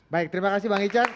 baik terima kasih bang ican